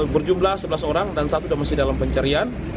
berjumlah sebelas orang dan satu sudah masih dalam pencarian